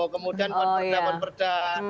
kemudian pak merda pak merda